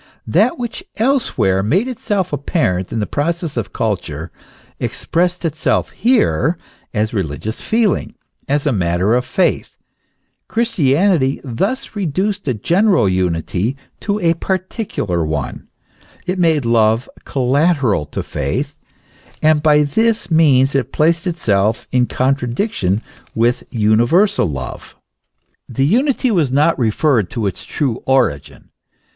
That which elsewhere made itself apparent in the process of culture, expressed itself here as religious feeling, as a matter of faith. Christianity thus reduced a general unity to a par ticular one, it made love collateral to faith ; and by this means it placed itself in contradiction with universal love. The unity was not referred to its true origin.